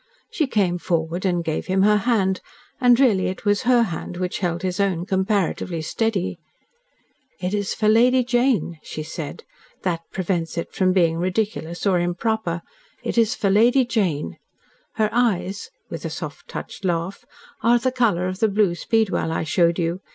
She came forward and gave him her hand, and really it was HER hand which held his own comparatively steady. "It is for Lady Jane," she said. "That prevents it from being ridiculous or improper. It is for Lady Jane. Her eyes," with a soft touched laugh, "are the colour of the blue speedwell I showed you.